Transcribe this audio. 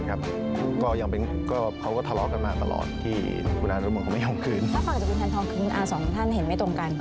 ถ้าฝากจักรทางทองคือคุณอาจารย์สองท่านเห็นไม่ตรงกัน